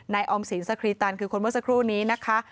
ออมสินสครีตันคือคนเมื่อสักครู่นี้นะคะ